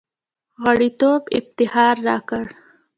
غړیتوب افتخار راکړ.